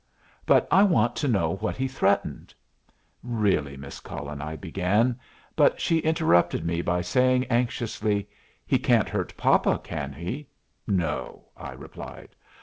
"But I want to know what he threatened." "Really, Miss Cullen," I began; but she interrupted me by saying anxiously, "He can't hurt papa, can he?" "No," I replied.